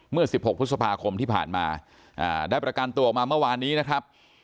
เมื่อ๑๖พฤษภาคมที่ผ่านมาได้ประกันตัวออกมาเมื่อวานนี้นะครับ